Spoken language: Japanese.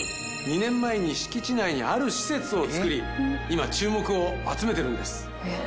２年前に敷地内にある施設を造り今注目を集めてるんです。